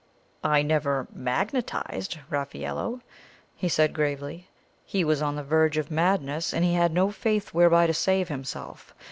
"I never MAGNETIZED Raffaello," he said gravely; "he was on the verge of madness, and he had no faith whereby to save himself.